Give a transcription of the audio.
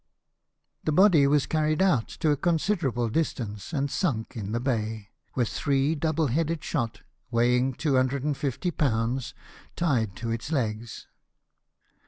The body was carried out to a considerable distance and sunk in the bay, with three double headed shot, weighing 250 pounds, tied to its legs.